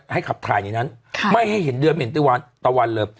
ให้ขับถ่ายในนั้นไม่ให้เห็นเดิมเห็นตะวันเลย